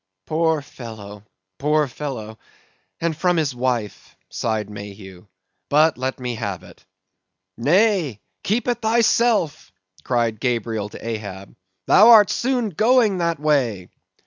"Poor fellow! poor fellow! and from his wife," sighed Mayhew; "but let me have it." "Nay, keep it thyself," cried Gabriel to Ahab; "thou art soon going that way."